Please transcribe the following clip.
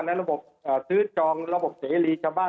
ระบบซื้อจองระบบเสรีชาวบ้าน